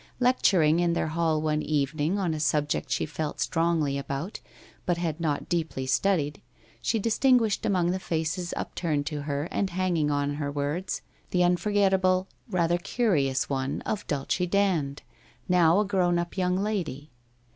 Lecturing in their hall one evening on a subject she felt strongly about, but had not deeply studied, she distinguished among the faces upturned to her and hanging on her words, the unfor gettable, rather curious one of Dulce Dand, now a grown up young lady.